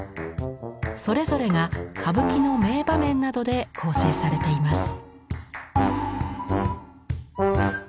それぞれが歌舞伎の名場面などで構成されています。